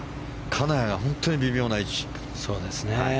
金谷が本当に微妙な位置。